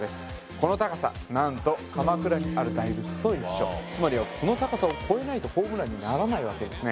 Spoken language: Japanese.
この高さ何と鎌倉にある大仏と一緒つまりはこの高さを越えないとホームランにならないわけですね